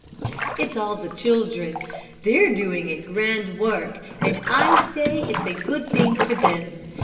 "It's all the children. They're doing a grand work, and I say it's a good thing for them.